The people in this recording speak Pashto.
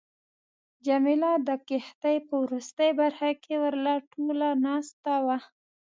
جميله د کښتۍ په وروستۍ برخه کې ورله ټوله ناسته وه.